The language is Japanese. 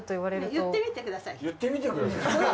言ってみてください。